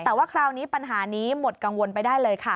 แต่ว่าคราวนี้ปัญหานี้หมดกังวลไปได้เลยค่ะ